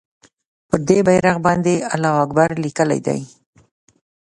پر دې بېرغ باندې الله اکبر لیکلی دی.